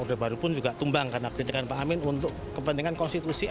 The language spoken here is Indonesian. dan baru baru pun juga tumbang karena kritikan pak amin untuk kepentingan konstitusi